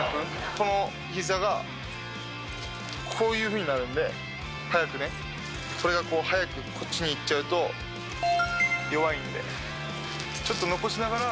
このひざが、こういうふうになるんで、早くね、これがこう早くこっちにいっちゃうと弱いんで。